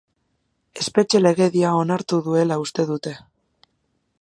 Espetxe legedia onartu duela uste dute.